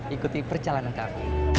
ikuti perjalanan kami